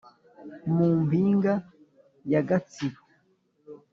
mu mpinga ya gatsibo,